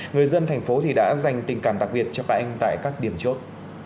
người dân thành phố đã dành tình cảm đặc biệt cho các anh tại các điểm chốt